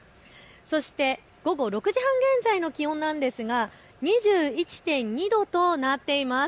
そして午後６時半現在の気温なんですが２１．２度となっています。